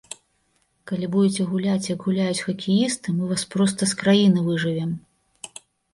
Калі будзеце гуляць, як гуляюць хакеісты, мы вас проста з краіны выжывем.